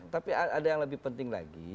tapi ada yang lebih penting lagi